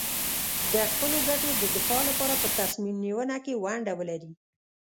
د خپلو ګټو د دفاع لپاره په تصمیم نیونه کې ونډه ولري.